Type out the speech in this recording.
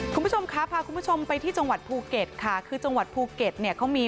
คุณผู้ชมคะพาคุณผู้ชมไปที่จังหวัดภูเก็ตค่ะคือจังหวัดภูเก็ตเนี่ยเขามี